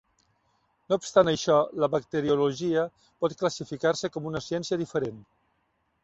No obstant això, la bacteriologia pot classificar-se com una ciència diferent.